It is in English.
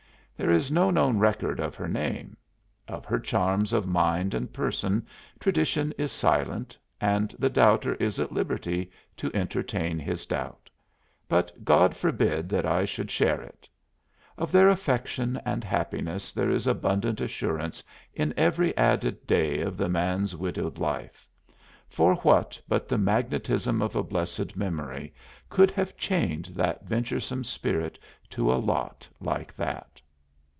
There is no known record of her name; of her charms of mind and person tradition is silent and the doubter is at liberty to entertain his doubt; but God forbid that I should share it! Of their affection and happiness there is abundant assurance in every added day of the man's widowed life; for what but the magnetism of a blessed memory could have chained that venturesome spirit to a lot like that?